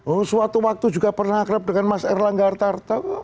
oh suatu waktu juga pernah kerap dengan mas erlang gartar